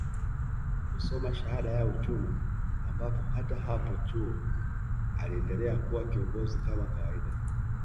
kusoma shahada ya Uchumi ambapo hata hapo chuo aliendelea kuwa kiongozi kama kawaida